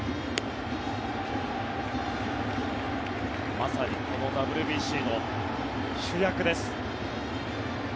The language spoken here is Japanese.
まさに、このＷＢＣの主役です。